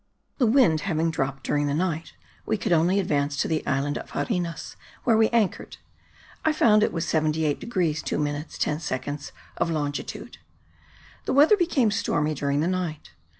The wind having dropped during the night we could only advance to the island of Arenas where we anchored. I found it was 78 degrees 2 minutes 10 seconds of longitude. The weather became stormy during the night.